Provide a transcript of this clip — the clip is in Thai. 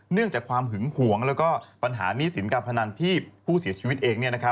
จากความหึงหวงแล้วก็ปัญหาหนี้สินการพนันที่ผู้เสียชีวิตเอง